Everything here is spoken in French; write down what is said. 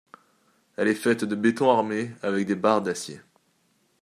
Elle est faite de béton armé avec des barres d'acier.